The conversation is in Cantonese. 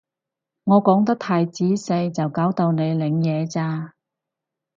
我講得太仔細就搞到你領嘢咋